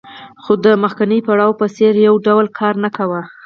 خو د مخکیني پړاو په څېر یې یو ډول کار نه کاوه